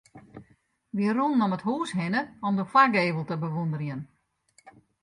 Wy rûnen om it hús hinne om de foargevel te bewûnderjen.